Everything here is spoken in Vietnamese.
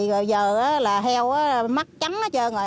giờ là heo mắc chấm hết trơn rồi